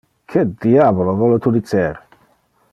Que diabolo vole tu dicer?